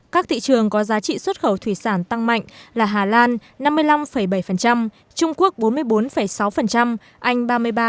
các thị trường có giá trị xuất khẩu thủy sản tăng mạnh là hà lan năm mươi năm bảy trung quốc bốn mươi bốn sáu anh ba mươi ba